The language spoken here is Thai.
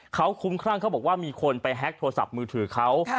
เขาคุ้มครั่งเขาบอกว่ามีคนไปแฮ็กโทรศัพท์มือถือเขา